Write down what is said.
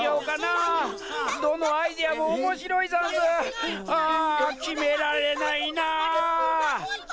ああきめられないな。